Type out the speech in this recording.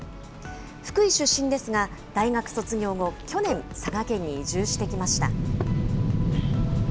福井出身ですが、大学卒業後、去年、佐賀県に移住してきました。